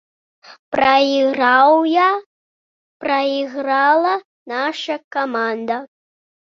Прайграў я, прайграла наша каманда.